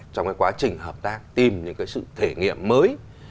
trong cái quá trình hợp tác tìm những cái sự thể nghiệm mới